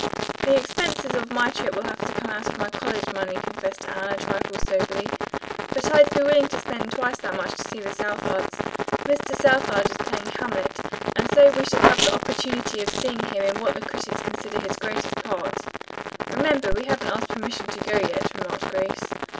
"The expenses of my trip will have to come out of my college money," confessed Anne, a trifle soberly, "but I'd be willing to spend twice that much to see the Southards. Mr. Southard is playing 'Hamlet' and so we shall have the opportunity of seeing him in what the critics consider his greatest part." "Remember, we haven't asked permission to go, yet," remarked Grace.